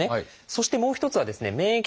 そしてもう一つはですね免疫